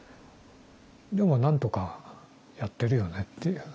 でもなんとかやってるよねっていう。